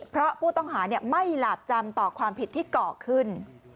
เพราะผู้ต้องหาไม่หลาบจำต่อความผิดที่ก่อขึ้น